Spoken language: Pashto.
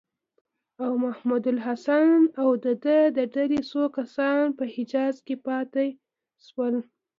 او محمودالحسن او د ده د ډلې څو کسان په حجاز کې پاتې شول.